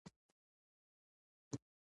یعنې عملاً مو هغه مهم نه دی ګڼلی.